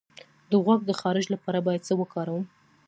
د غوږ د خارش لپاره باید څه وکاروم؟